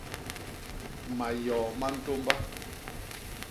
Mayoo ma ntômba.